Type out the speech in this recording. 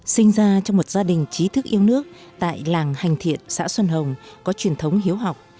sinh ra trong một gia đình trí thức yêu nước tại làng hành thiện xã xuân hồng có truyền thống hiếu học